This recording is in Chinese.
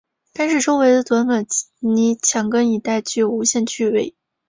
单是周围的短短的泥墙根一带，就有无限趣味